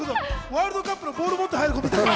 ワールドカップのボールを持って入る人みたいな。